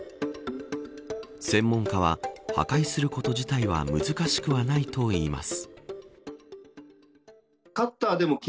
専門家は、破壊すること自体は難しくはないといいます。